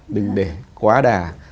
đừng để quá đà